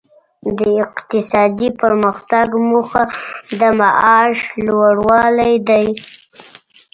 د اقتصادي پرمختګ موخه د معاش لوړوالی دی.